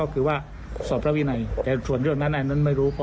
เข้าไปเกี่ยวข้องลักษณะแบบนี้ครับ